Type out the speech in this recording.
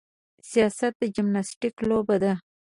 سیاست د جمناستیک لوبه ده.